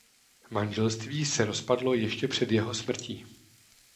Manželství se rozpadlo ještě před jeho smrtí.